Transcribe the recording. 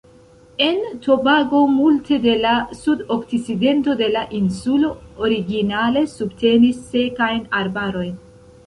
En Tobago multe de la sudokcidento de la insulo originale subtenis sekajn arbarojn.